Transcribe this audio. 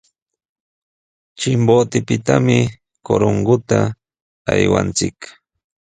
Chimbotepami Corongota aywanchik.